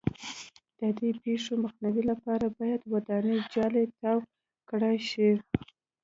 د دې پېښو مخنیوي لپاره باید ودانۍ جالۍ تاو کړای شي.